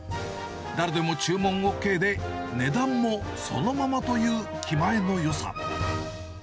誰でも注文ＯＫで、値段もそのままという気前のよさ。